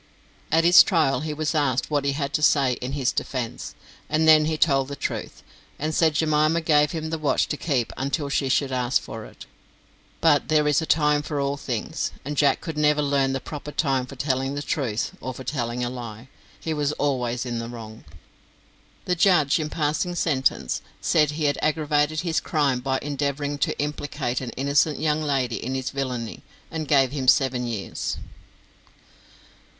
At his trial he was asked what he had to say in his defence, and then he told the truth, and said Jemima gave him the watch to keep until she should ask for it. But there is a time for all things; and Jack could never learn the proper time for telling the truth, or for telling a lie; he was always in the wrong. The judge, in passing sentence, said he had aggravated his crime by endeavouring to implicate an innocent young lady in his villany, and gave him seven years.